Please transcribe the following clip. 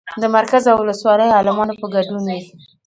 د مرکز او ولسوالۍ عالمانو په ګډون وي.